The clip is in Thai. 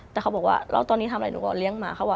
แต่เขาบอกว่าแล้วตอนนี้ทำอะไรหนูก็เลี้ยงมาเขาบอก